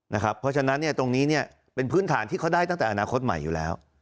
เพราะฉะนั้นตรงนี้เป็นพื้นฐานที่เขาได้ตั้งแต่อนาคตใหม่อยู่แล้ว